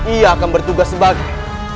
ia akan bertugas sebagai